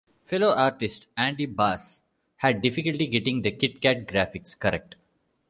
Fellow artist Andy Bass had difficulty getting the Kit-Kat graphics correct.